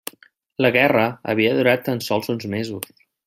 La guerra havia durat tan sols uns mesos.